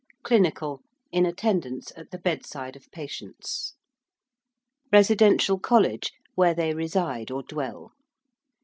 ~clinical~: in attendance at the bedside of patients. ~residential college~: where they reside or dwell.